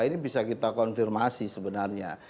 ini bisa kita konfirmasi sebenarnya